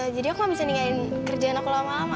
jadi aku gak bisa ninggalin kerjaan aku lama lama